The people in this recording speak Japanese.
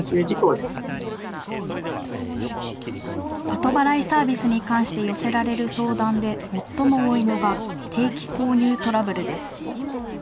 後払いサービスに関して寄せられる相談で最も多いのが、定期購入トラブルです。